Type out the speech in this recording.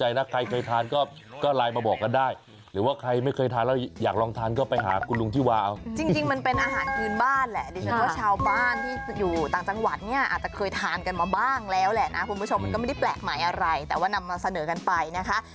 ใครเคยทานก็ก็ไลน์มาบอกกันได้หรือว่าใครไม่เคยทานแล้วอยากลองทานก็ไปหาคุณลุงที่วาเอาจริงจริงมันเป็นอาหารพื้นบ้านแหละดิฉันว่าชาวบ้านที่อยู่ต่างจังหวัดเนี่ยอาจจะเคยทานกันมาบ้างแล้วแหละนะคุณผู้ชมมันก็ไม่ได้แปลกหมายอะไรแต่ว่านำมาเสนอกันไปนะคะ